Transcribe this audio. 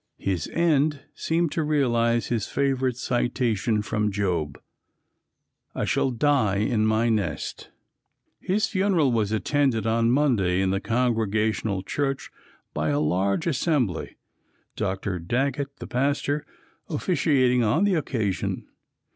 His end seemed to realize his favorite citation from Job: "I shall die in my nest." His funeral was attended on Monday in the Congregational church by a large assembly, Dr. Daggett, the pastor, officiating on the occasion.